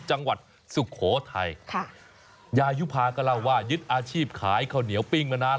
จังหวัดสุโขทัยค่ะยายุภากราวายึดอาชีพขายข้าวเหนียวปิ้งมานาน